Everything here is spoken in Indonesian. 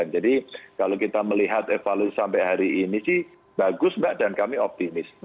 jadi kalau kita melihat evaluasi sampai hari ini bagus mbak dan kami optimis